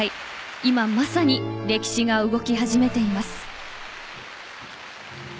今まさに歴史が動き始めています。